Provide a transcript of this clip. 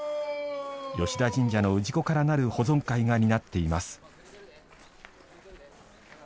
吉田神社の氏子からなる保存会が担っています。